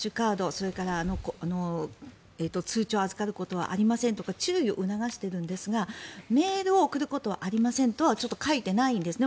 それから、通帳を預かることはありませんとか注意を促しているんですがメールを送ることはありませんとは書いてないんですね。